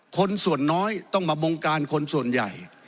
คนส่วนน้อยต้องมาบงการคนส่วนใหญ่